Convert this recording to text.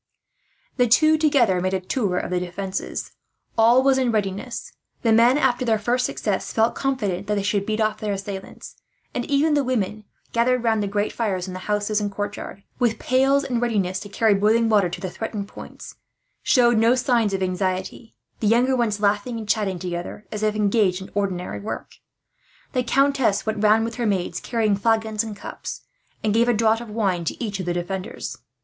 The two together made a tour of the defences. All was in readiness. The men, after their first success, felt confident that they should beat off their assailants; and even the women, gathered round the great fires in the house and courtyard, with pails in readiness to carry boiling water to the threatened points, showed no signs of anxiety; the younger ones laughing and chatting together, as if engaged in ordinary work. The countess went round, with her maids carrying flagons and cups, and gave a draught of wine to each of the defenders.